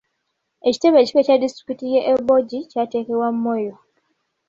Ekitebe ekikulu ekya disitulikiti y'e Obongi kyateekebwa Moyo.